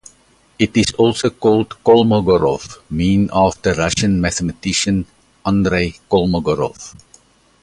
It is also called Kolmogorov mean after Russian mathematician Andrey Kolmogorov.